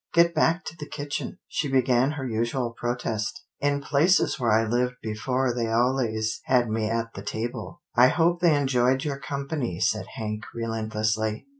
Get back to the kitchen." She began her usual protest. " In places where I lived afore they allays had me at the table." " I hope they enjoyed your company," said Hank relentlessly.